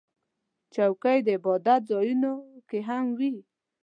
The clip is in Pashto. چوکۍ د عبادت ځایونو کې هم وي.